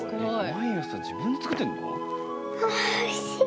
毎朝自分で作ってんの？